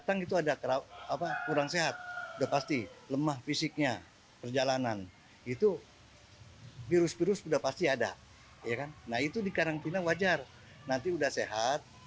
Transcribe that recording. nah itu di karantina wajar nanti udah sehat